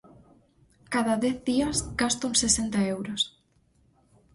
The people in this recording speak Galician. Cada dez días gasto uns sesenta euros.